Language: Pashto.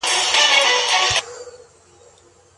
ايا رشد په شتمنۍ کي شرط دی؟